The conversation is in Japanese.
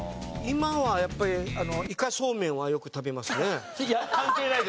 今はやっぱりイカそうめんはよく食べますね。